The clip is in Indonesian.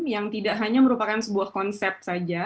yang tidak hanya merupakan sebuah konsep saja